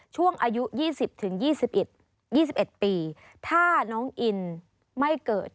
ช่วงอายุ๒๐๒๑ปีถ้าน้องอินไม่เกิด